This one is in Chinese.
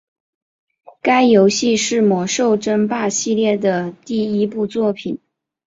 该游戏是魔兽争霸系列的第一部作品。